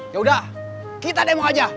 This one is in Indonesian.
yaudah kita demo aja